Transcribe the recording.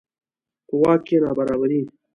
په واک کې نابرابري.